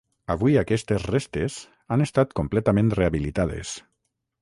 Avui aquestes restes han estat completament rehabilitades.